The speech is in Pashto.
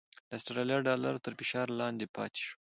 د اسټرالیا ډالر تر فشار لاندې پاتې شو؛